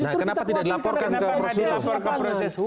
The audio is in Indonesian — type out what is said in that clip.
nah kenapa tidak dilaporkan ke proses hukum